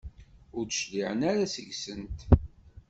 Ur d-cliɛen ara seg-sent?